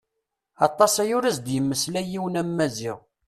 Aṭas aya ur as-d-yemmeslay yiwen am Maziɣ.